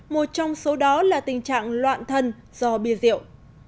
một trong số đó là tình trạng loạn thần do bia rượu